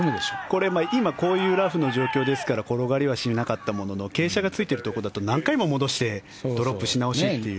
これ、今こういうラフの状況ですから転がりはしなかったものの傾斜がついてるところだと何回も戻してドロップし直しっていう。